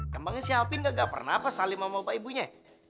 temennya si alvin gak pernah apa salim sama bapak ibunya